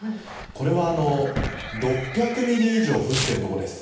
これは６００ミリ以上降っている所です。